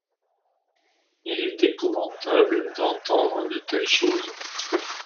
Il est épouvantable d’entendre de telles choses.